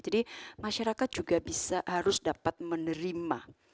jadi masyarakat juga bisa harus dapat menerima